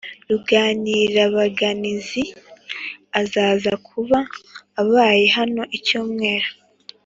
ruganirabaganizi azaza kuba abaye hano icyumweru